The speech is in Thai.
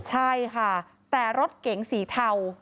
ใช่ค่ะแต่รถเก๋งสีเทา